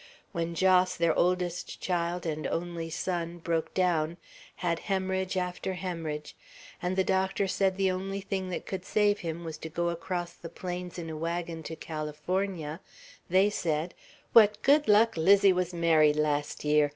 When Jos, their oldest child and only son, broke down, had hemorrhage after hemorrhage, and the doctor said the only thing that could save him was to go across the plains in a wagon to California, they said, "What good luck 'Lizy was married last year!